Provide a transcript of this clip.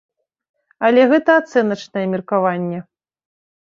Але гэта ацэначнае меркаванне.